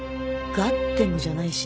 ガッデムじゃないし。